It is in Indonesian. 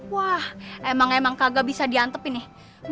wah emang emang kagak bisa diantepin nih